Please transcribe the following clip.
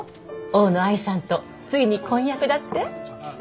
大野愛さんとついに婚約だって？